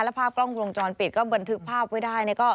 ภาพกล้องวงจรปิดก็บันทึกภาพไว้ได้